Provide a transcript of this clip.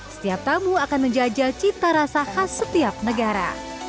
setiap tamu akan menjajal cita rasa khas setiap negara